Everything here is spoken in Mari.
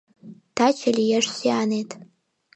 Таче лиеш сӱанет